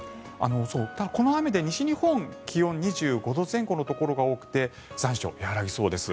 ただこの雨で西日本気温２５度前後のところが多くて残暑、和らぎそうです。